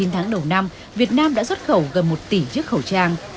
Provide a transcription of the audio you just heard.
chín tháng đầu năm việt nam đã xuất khẩu gần một tỷ chiếc khẩu trang